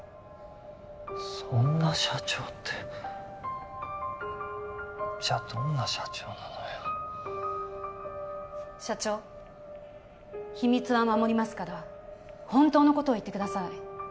そんな社長ってじゃどんな社長なのよ社長秘密は守りますから本当のことを言ってください